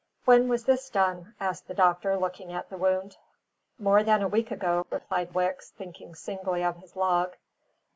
"When was this done?" asked the doctor, looking at the wound. "More than a week ago," replied Wicks, thinking singly of his log.